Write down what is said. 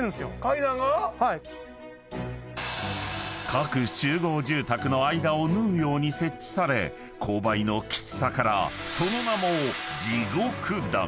［各集合住宅の間を縫うように設置され勾配のきつさからその名も］